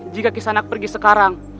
jika kisanak pergi sekarang